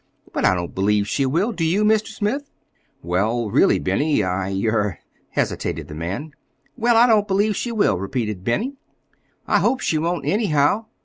But I don't believe she will. Do you, Mr. Smith?" "Well, really, Benny, I—er—" hesitated the man. "Well, I don't believe she will," repeated Benny. "I hope she won't, anyhow.